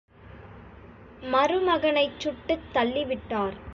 மருமகனைச் சுட்டுத் தள்ளிவிட்டார்!